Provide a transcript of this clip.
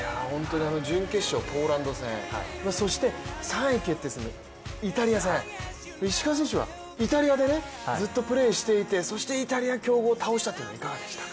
準決勝ポーランド戦、そして３位決定戦のイタリア戦石川選手はイタリアでずっとプレーしていてそしてイタリア、強豪を倒したということになりますが。